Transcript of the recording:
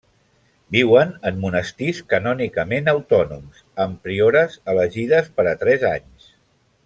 Viuen en monestirs canònicament autònoms, amb priores elegides per a tres anys.